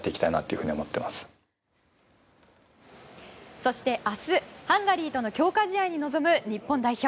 そして明日ハンガリーとの強化試合に臨む日本代表。